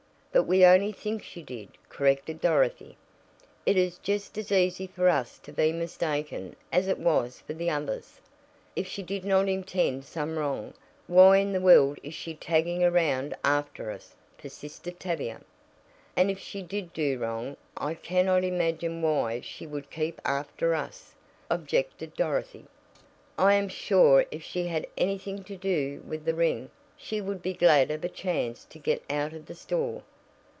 "But we only think she did," corrected Dorothy. "It is just as easy for us to be mistaken as it was for the others." "If she did not intend some wrong, why in the world is she tagging around after us?" persisted Tavia. "And if she did do wrong I cannot imagine why she would keep after us," objected Dorothy. "I am sure if she had anything to do with the ring she would be glad of a chance to get out of the store.